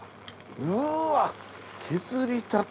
うわっ！